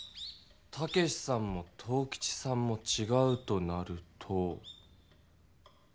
武さんも藤吉さんもちがうとなると。